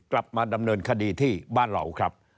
กลับมาดำเนินคดีที่บ้านเราครับ